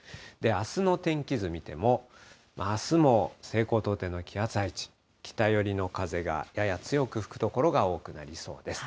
あすの天気図見ても、あすも西高東低の気圧配置、北寄りの風がやや強く吹く所が多くなりそうです。